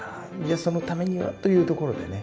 そのためにはというところでね